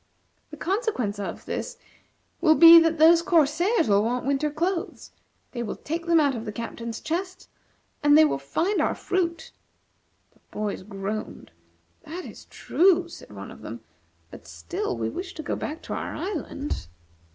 The consequence of this will be that those corsairs will want winter clothes, they will take them out of the Captain's chests, and they will find our fruit." The boys groaned. "That is true," said one of them; "but still we wish to go back to our island."